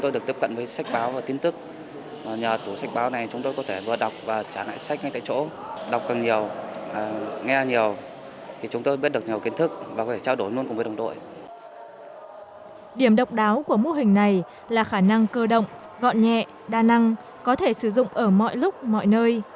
điểm độc đáo của mô hình này là khả năng cơ động gọn nhẹ đa năng có thể sử dụng ở mọi lúc mọi nơi